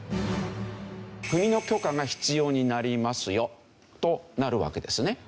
国の許可が必要になりますよとなるわけですね。